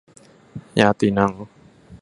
ญาตีนัง